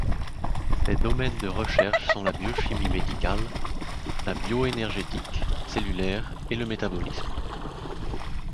Ses domaines de recherches sont la biochimie médicale, la bioénergétique cellulaire et le métabolisme.